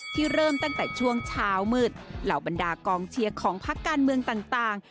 เริ่มตั้งแต่ช่วงเช้ามืดเหล่าบรรดากองเชียร์ของพักการเมืองต่าง